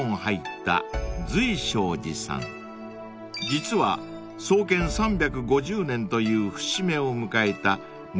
［実は創建３５０年という節目を迎えた